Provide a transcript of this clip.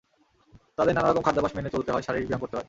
তাদের নানা রকম খাদ্যাভ্যাস মেনে চলতে হয়, শারীরিক ব্যায়াম করতে হয়।